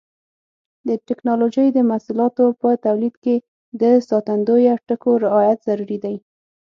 د ټېکنالوجۍ د محصولاتو په تولید کې د ساتندویه ټکو رعایت ضروري دی.